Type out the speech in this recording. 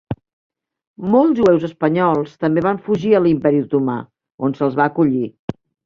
Molts jueus espanyols també van fugir a l'Imperi Otomà, on se'ls va acollir.